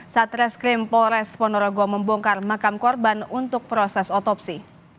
satreskrim polres ponorogo membongkar makam korban untuk proses otopsi